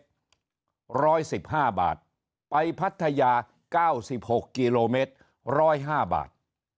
ร้อยสิบห้าบาทไปพัทยาเก้าสิบหกกิโลเมตรร้อยห้าบาท